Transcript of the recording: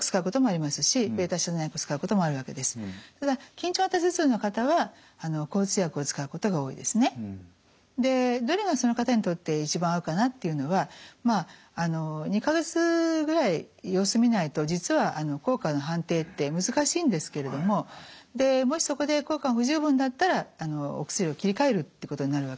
緊張型頭痛なのかっていうことを見極めることが大事でどれがその方にとって一番合うかなというのはまあ２か月ぐらい様子見ないと実は効果の判定って難しいんですけれどももしそこで効果が不十分だったらお薬を切り替えるってことになるわけです。